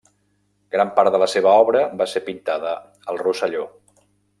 Gran part de la seva obra va ser pintada al Rosselló.